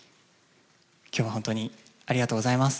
今日は本当にありがとうございます。